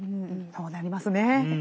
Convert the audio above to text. そうなりますね。